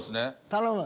頼む。